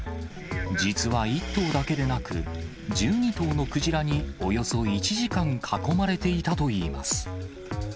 実は１頭だけでなく、１２頭のクジラに、およそ１時間、囲まれていたといいます。